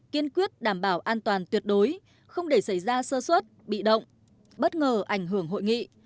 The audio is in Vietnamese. kiên quyết đảm bảo an toàn tuyệt đối không để xảy ra sơ suất bị động bất ngờ ảnh hưởng hội nghị